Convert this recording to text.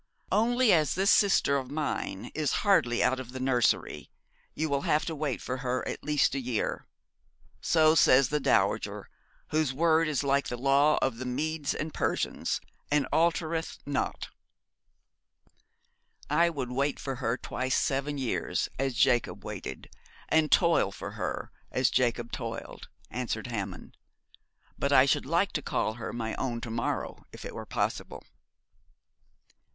'Only as this sister of mine is hardly out of the nursery you will have to wait for her at least a year. So says the dowager, whose word is like the law of the Medes and Persians, and altereth not.' 'I would wait for her twice seven years, as Jacob waited, and toil for her, as Jacob toiled,' answered Hammond, 'but I should like to call her my own to morrow, if it were possible.'